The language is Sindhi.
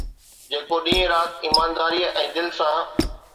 جيڪو ڏينهن رات ايمانداريءَ ۽ دل سان